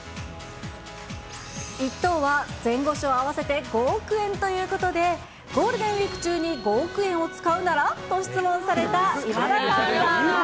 １等は前後賞合わせて５億円ということで、ゴールデンウィーク中に５億円を使うなら？と質問された今田さんは。